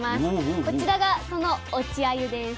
こちらがその落ちあゆです。